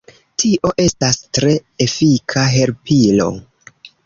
Tio estas tre efika helpilo.